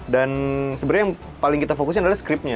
dan sebenernya yang paling kita fokusnya adalah script